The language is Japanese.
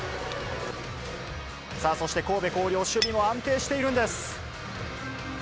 さあ、そして神戸弘陵、守備も安定しているんです。